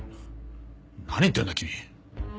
何言ってるんだ君。